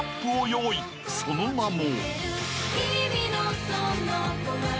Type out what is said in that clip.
［その名も］